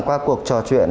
qua cuộc trò chuyện